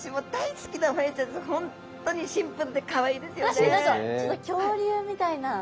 確かに何かちょっと恐竜みたいな。